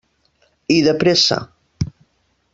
I de pressa.